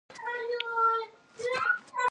قومونه د افغانستان د امنیت په اړه هم اغېز لري.